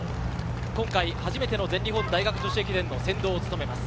今回初めての全日本大学女子駅伝の先導を努めます。